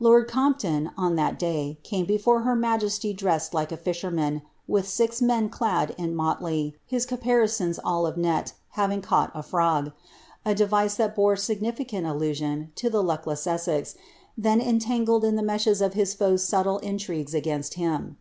Lord Comp on, on tluit day, came before her majesty dressed like a fisherman, with liz men clad in motley, his caparisons all of net, having caught a frog ^ i deviee that bore significant allusion to the luckless Essex then en ■Bjried in the meshes of his foes' subtle intrigues against him.'